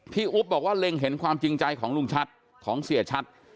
อุ๊บบอกว่าเล็งเห็นความจริงใจของลุงชัดของเสียชัด